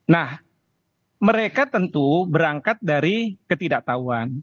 nah mereka tentu berangkat dari ketidaktahuan